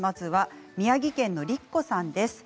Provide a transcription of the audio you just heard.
宮城県の方からです。